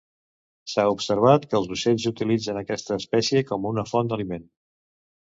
S'ha observat que els ocells utilitzen aquesta espècie com una font d'aliment.